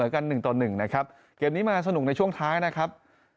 กันหนึ่งต่อหนึ่งนะครับเกมนี้มาสนุกในช่วงท้ายนะครับ